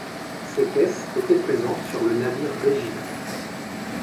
Ces caisses étaient présentes sur le navire Regina.